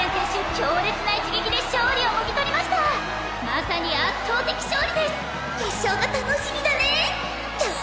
強烈な一撃で勝利をもぎとりましたまさに圧倒的勝利です決勝が楽しみだねき